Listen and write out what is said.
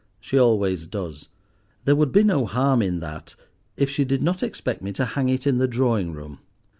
She always does. There would be no harm in that if she did not expect me to hang it in the drawing room.